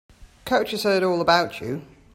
Coach has heard all about you.